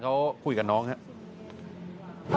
ออกมาตั้งแต่กี่โมงครับ